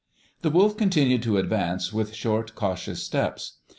"The wolf continued to advance with short, cautious steps.